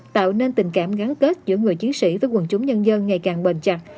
tạo nên tình cảm gắn kết giữa người chiến sĩ với quần chúng nhân dân ngày càng bền chặt